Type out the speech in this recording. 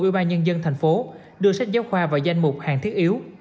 ủy ban nhân dân tp hcm đưa sách giáo khoa vào danh mục hàng thiết yếu